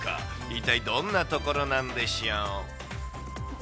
一体どんなところなんでしょう。